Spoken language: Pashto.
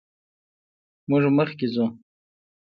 موږ مخکې ځو.